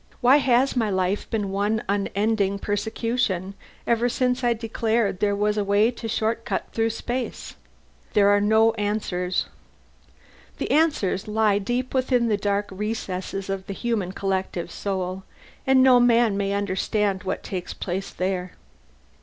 Why has my life been one unending persecution, ever since I declared there was a way to shortcut through space? There are no answers. The answers lie deep within the dark recesses of the human collective soul, and no man may understand what takes place there.